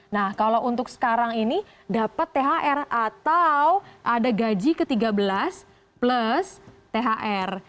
nah kalau untuk sekarang ini dapat thr atau ada gaji ke tiga belas plus thr